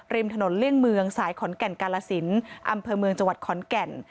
ริมถนนเลี่ยงเมืองสายขอนแก่นกาลสินอำเภอเมืองจังหวัดขอนแก่น